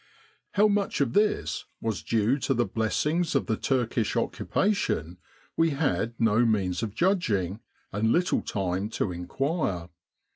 How much of this was due to the blessings of the Turkish occupation we had no means of judging, and little time to inquire.